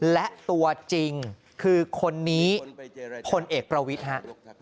และตัวจริงคือคนนี้พลเอกประวิทย์ฮะ